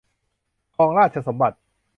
ครองราชสมบัติ